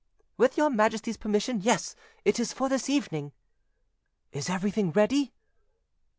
"With your Majesty's permission, yes, it is for this evening." "Is everything ready?"